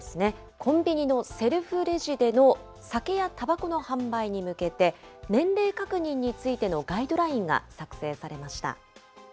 コンビニのセルフレジでの酒やたばこの販売に向けて、年齢確認についてのガイドラインが作成されました。